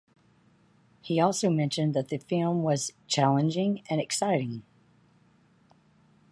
He also mentioned that the film was "challenging" and "exciting".